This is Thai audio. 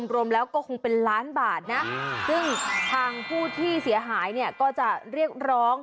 รวมแล้วก็คงเป็นล้านบาทนะซึ่งทางผู้ที่เสียหายเนี่ยก็จะเรียกร้อง